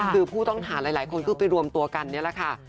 คือผู้ต้องหาหลายคนก็ไปรวมตัวกันนี่แหละค่ะ